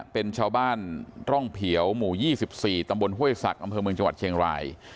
เป็นชาวบ้านร่องเขียวหมู่๒๔ตำบลห้วยศักดิ์อำเภอเมืองจังหวัดเชียงราย